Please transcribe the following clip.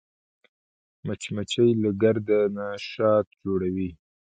مچمچۍ له ګرده نه شات جوړوي